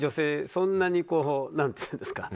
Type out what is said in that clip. そんなに何ていうんですか。